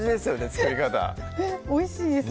作り方おいしいです